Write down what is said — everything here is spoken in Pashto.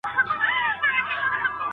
د کښتۍ مسافر